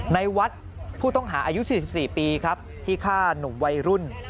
ในวัดผู้ต้องหาอายุ๔๔ปีครับที่ฆ่าหนุ่มวัยรุ่น